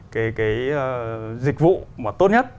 cái dịch vụ mà tốt nhất